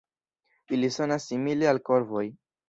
Ili sonas simile al korvoj.